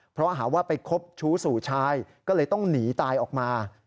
เพราะหาว่าไปคบชู้สู่ชายก็เลยต้องหนีตายออกมา